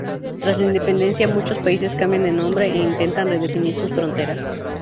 Tras la independencia, muchos países cambian de nombre, e intentan redefinir sus fronteras.